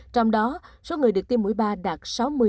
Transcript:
trong đó số người được tiêm mũi ba đạt sáu mươi